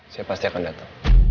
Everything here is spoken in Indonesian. saya pasti akan dateng